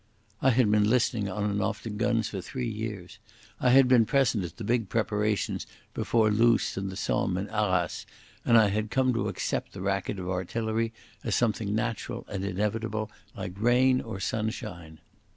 I had been listening on and off to guns for three years. I had been present at the big preparations before Loos and the Somme and Arras, and I had come to accept the racket of artillery as something natural and inevitable like rain or sunshine.